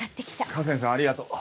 歌仙さんありがとう。